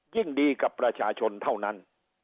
ยิ่งดีกับประชาชนเท่านั้น